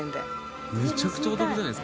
めちゃくちゃお得じゃないですか。